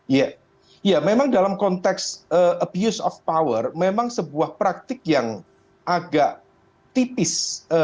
ya memang dalam konteks abuse of power memang sebuah praktik yang agak tipis